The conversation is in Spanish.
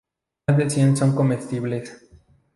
Más de cien son comestibles.